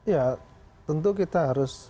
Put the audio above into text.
ya tentu kita harus